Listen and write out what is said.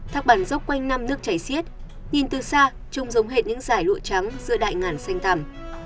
thác bản dốc quanh năm nước chảy xiết nhìn từ xa chúng giống hệt những giải lụa trắng giữa đại ngàn xanh tằm